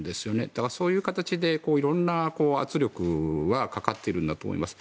だから、そういう形で色んな圧力はかかっているんだと思います。